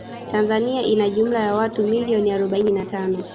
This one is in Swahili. Tanzania ina jumla ya watu milioni arobaini na tano